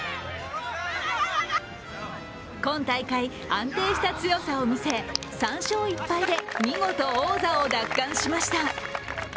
今大会、安定した強さを見せ３勝１敗で、見事王座を奪還しました。